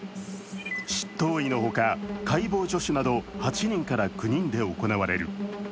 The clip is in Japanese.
執刀医のほか、解剖助手など８人から９人で行われる。